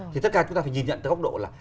thì tất cả chúng ta phải nhìn nhận tới góc độ là